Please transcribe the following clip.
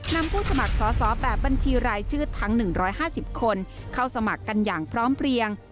นำผู้สมัครสอสอแบบบัญชีรายชื่อทั้งหนึ่งร้อยห้าสิบคนเข้าสมัครกันอย่างพร้อมเปลี่ยง